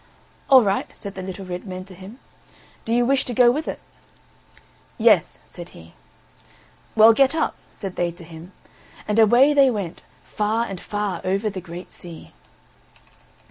"All right," said the little red men to him; "do you wish to go with it?" "Yes," said he. "Well, get up," said they to him; and away they went far and far over the great sea.